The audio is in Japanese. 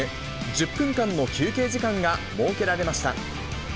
１０分間の休憩時間が設けられました。